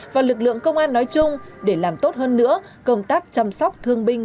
và lực lượng công an nói chung để làm tốt hơn nữa công tác chăm sóc thương binh